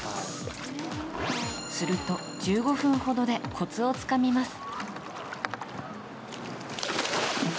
すると、１５分ほどでコツをつかみます。